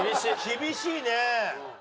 厳しいね。